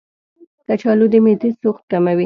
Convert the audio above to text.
کچالو د معدې سوخت کموي.